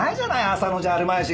浅野じゃあるまいし。